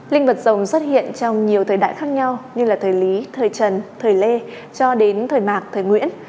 linh vật rồng xuất hiện trong nhiều thời đại khác nhau như là thời lý thời trần thời lê cho đến thời mạc thời nguyễn